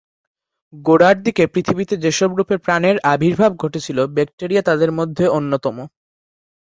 গোড়ার দিকে পৃথিবীতে যেসব রূপে প্রাণের আবির্ভাব ঘটেছিল, ব্যাকটেরিয়া তাদের মধ্যে অন্যতম।